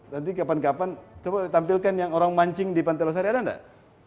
nanti kapan kapan coba tampilkan yang orang mancing di pantai losari ada nggak